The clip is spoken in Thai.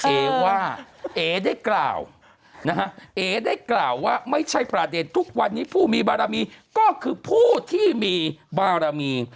เอ๋ว่าเอ๋ได้กล่าวนะฮะเอ๋ได้กล่าวว่าไม่ใช่ประเด็นทุกวันนี้ผู้มีบารมีก็คือผู้ที่มีบารมี